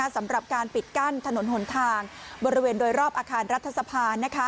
สำหรับการปิดกั้นถนนหนทางบริเวณโดยรอบอาคารรัฐสภา